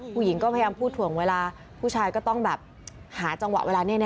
ผู้หญิงก็พยายามพูดถ่วงเวลาผู้ชายก็ต้องแบบหาจังหวะเวลานี้